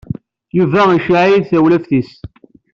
Yuba iceyyeɛ-iyi-d tawlaft-is.